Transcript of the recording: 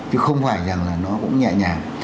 chứ không phải rằng là nó cũng nhẹ nhàng